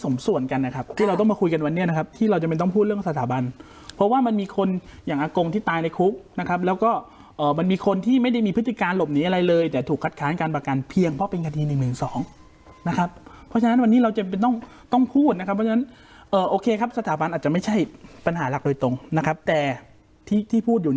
มันต้องพูดเรื่องสถาบันเพราะว่ามันมีคนอย่างอากงที่ตายในคุกนะครับแล้วก็มันมีคนที่ไม่ได้มีพฤติการหลบหนีอะไรเลยแต่ถูกคัดค้านการประกันเพียงเพราะเป็นคดีหนึ่งหนึ่งสองนะครับเพราะฉะนั้นวันนี้เราจะเป็นต้องต้องพูดนะครับเพราะฉะนั้นเอ่อโอเคครับสถาบันอาจจะไม่ใช่ปัญหาหลักโดยตรงนะครับแต่ที่ที่พูดอยู่เ